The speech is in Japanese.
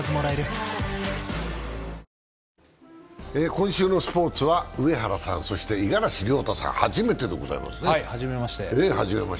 今週のスポーツは上原さん、そして五十嵐亮太さん、初めてでございますね。